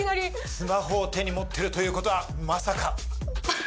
スマホを手に持ってるということはまさか。